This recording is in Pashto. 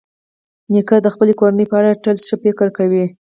نیکه د خپلې کورنۍ په اړه تل ښه فکر کوي.